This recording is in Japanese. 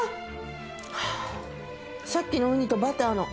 さっきのウニとバターの。